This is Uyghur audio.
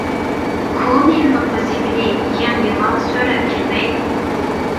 كونا يىللىق ۋەزىپىنى يېڭى يىلغا سۆرەپ كىرمەي!